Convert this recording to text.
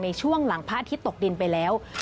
ในช่วงหลังพระอาทิตย์ตกดินไปแล้ว